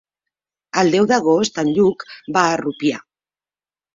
El deu d'agost en Lluc va a Rupià.